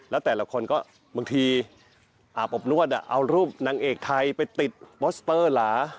แล้วแต่ละคนก็บางทีอาบอบนวดเอารูปนางเอกไทยไปติดโปสเตอร์เหรอ